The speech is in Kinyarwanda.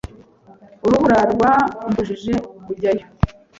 Urubura rwambujije kujyayo.